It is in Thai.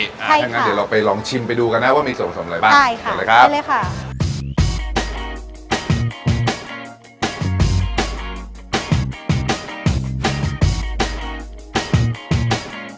ใช่ค่ะถ้างั้นเดี๋ยวเราไปลองชิมไปดูกันนะว่ามีส่วนผสมอะไรบ้าง